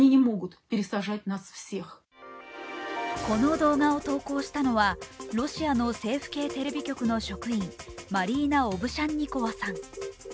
この動画を投稿したのはロシアの政府系テレビ局の職員、マリーナ・オブシャンニコワさん。